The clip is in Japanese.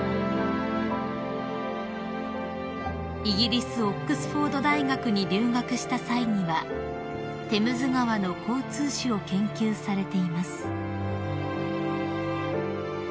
［イギリスオックスフォード大学に留学した際にはテムズ川の交通史を研究されています］